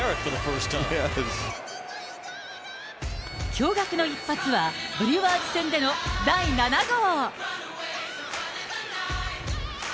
驚がくの一発は、ブリュワーズ戦での第７号。